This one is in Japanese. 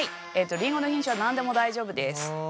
りんごの品種は何でも大丈夫です。